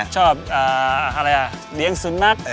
ชอบเหลียงสุนัข